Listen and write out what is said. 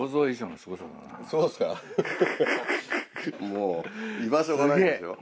もう居場所がないでしょ。